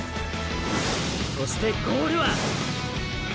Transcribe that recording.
そしてゴールは！！